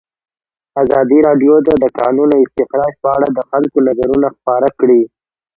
ازادي راډیو د د کانونو استخراج په اړه د خلکو نظرونه خپاره کړي.